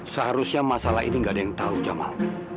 seharusnya masalah ini nggak ada yang tahu jamal